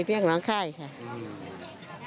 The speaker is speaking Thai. มีใจหลายเคาะตื่น